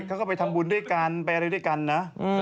เขาก็ไปทำบุญด้วยกันไปอะไรด้วยกันนะ